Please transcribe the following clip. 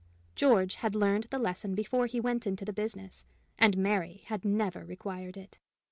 George had learned the lesson before he went into the business, and Mary had never required it.